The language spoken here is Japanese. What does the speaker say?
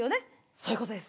そういうことです。